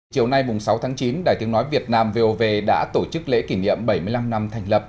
chiều nay sáu tháng chín đài tiếng nói việt nam vov đã tổ chức lễ kỷ niệm bảy mươi năm năm thành lập